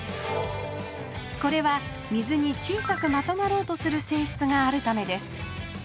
これは水に小さくまとまろうとするせいしつがあるためです